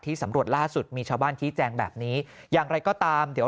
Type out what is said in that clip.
สำรวจล่าสุดมีชาวบ้านชี้แจงแบบนี้อย่างไรก็ตามเดี๋ยว